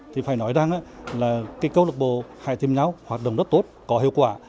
thì phải nói rằng là cái câu lạc bộ hải tiêm nháu hoạt động rất tốt có hiệu quả